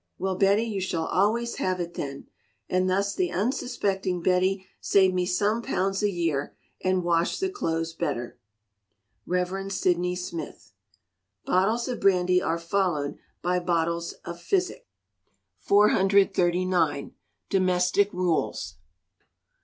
"Well, Betty, you shall always have it then;" and thus the unsuspecting Betty saved me some pounds a year, and washed the clothes better Rev. Sydney Smith. [BOTTLES OF BRANDY ARE FOLLOWED BY BOTTLES OF PHYSIC.] 439. Domestic Rules.